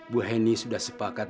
bu heni sudah sepakat